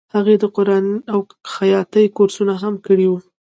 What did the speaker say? هغې د قرآن او خیاطۍ کورسونه هم کړي وو